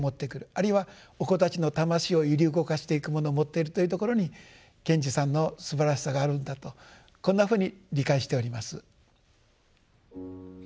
あるいはお子たちの魂を揺り動かしていくもの持っているというところに賢治さんのすばらしさがあるんだとこんなふうに理解しております。